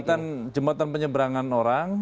jadi jembatan penyeberangan orang